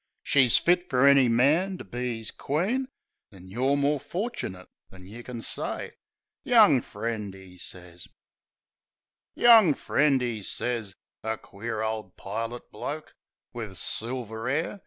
She's fit fer any man, to be 'is queen ; An' you're more forchinit than you kin say, "Young friend," 'e sez. "Young friend," 'e sez ... A queer ole pilot bloke, Wiv silver 'air.